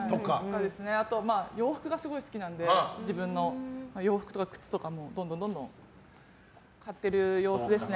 あと、洋服がすごい好きなので自分の洋服とか靴かもどんどん買ってる様子ですね。